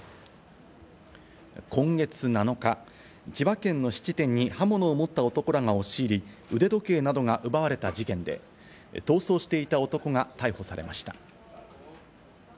今月７日、千葉県の質店に刃物を持った男らが押し入り、腕時計などが奪われた事件で、逃走していた男が逮捕されました。